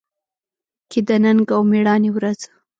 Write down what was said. کې د ننګ او مېړانې ورځ